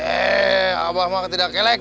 eh abah mah ketidak kelek